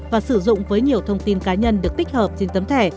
và sử dụng với nhiều thông tin cá nhân được tích hợp trên tấm thẻ